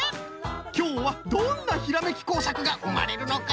きょうはどんなひらめき工作がうまれるのか！？